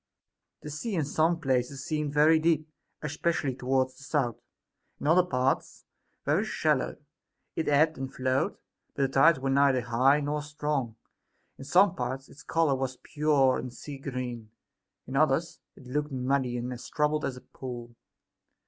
The sea in some places seemed very deep, especially toward the south, in other parts very shallow ; it ebbed and flowed, but the tides were neither high nor strong ; in some parts its color was pure and sea green, in others it looked muddy and as troubled as a pool.